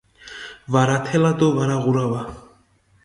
ვარა თელა დო ვარა ღურავა